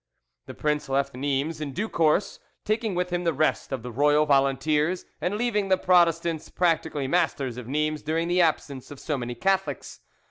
The prince left Nimes in due course, taking with him the rest of the royal volunteers, and leaving the Protestants practically masters of Nimes during the absence of so many Catholics.